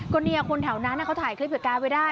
ก็เนี่ยคนแถวนั้นเขาถ่ายคลิปเหตุการณ์ไว้ได้